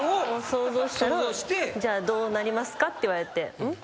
想像したらどうなりますか？って言われてん？